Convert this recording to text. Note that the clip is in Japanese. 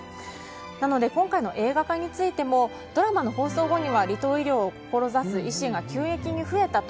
なので今回の映画化についてもドラマの放送後には離島医療を志す医師が急激に増えたと。